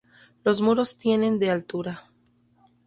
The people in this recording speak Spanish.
Los muros tienen de altura.